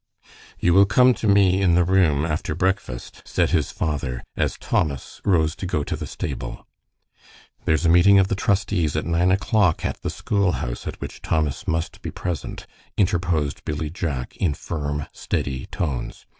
"You will come to me in the room after breakfast," said his father, as Thomas rose to go to the stable. "There's a meeting of the trustees at nine o'clock at the school house at which Thomas must be present," interposed Billy Jack, in firm, steady tones.